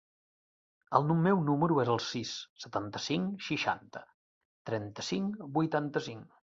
El meu número es el sis, setanta-cinc, seixanta, trenta-cinc, vuitanta-cinc.